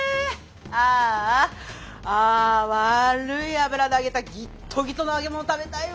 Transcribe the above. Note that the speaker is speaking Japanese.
ああ悪い油で揚げたギトギトの揚げ物食べたいわ。